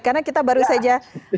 karena kita baru saja melihat begitu ya